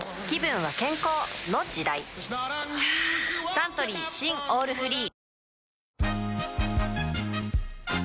はぁサントリー新「オールフリー」